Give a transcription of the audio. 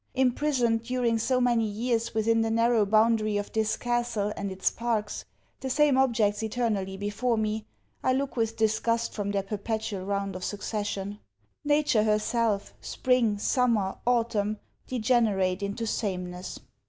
Imprisoned, during so many years, within the narrow boundary of this castle and its parks, the same objects eternally before me, I look with disgust from their perpetual round of succession. Nature herself, spring, summer, autumn, degenerate into sameness.